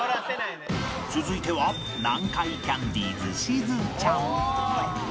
続いては南海キャンディーズしずちゃん